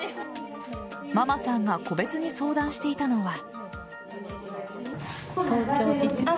ママさんが個別に相談していたのは。